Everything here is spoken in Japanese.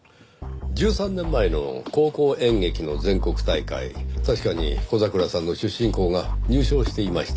１３年前の高校演劇の全国大会確かに小桜さんの出身校が入賞していました。